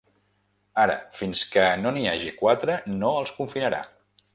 Ara, fins que no n’hi hagi quatre no els confinarà.